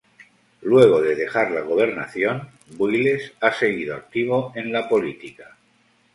Luego de dejar la gobernación, Builes ha seguido activo en la política.